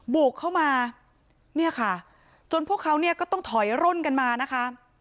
บุกเข้ามาเนี่ยค่ะจนพวกเขาเนี่ยก็ต้องถอยร่นกันมานะคะ